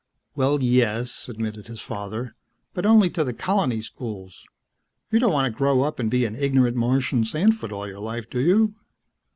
"Well, yes," admitted his father. "But only to the colony schools. You don't want to grow up and be an ignorant Martian sandfoot all your life, do you?"